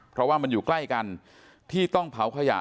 เพราะว่ามันอยู่ใกล้กันที่ต้องเผาขยะ